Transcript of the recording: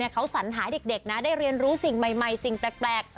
เขาสัญหาเด็กนะได้เรียนรู้สิ่งใหม่สิ่งแปลก